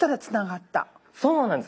そうなんです。